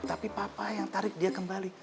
tapi papa yang tarik dia kembali